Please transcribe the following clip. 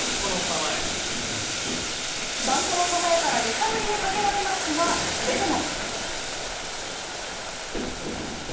バントの構えから揺さぶりをかけられますが、それでも。